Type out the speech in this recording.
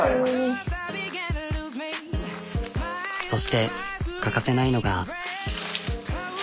そして欠かせないのが。